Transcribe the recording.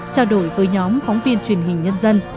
trao đổi với nhóm phóng viên truyền hình nhân dân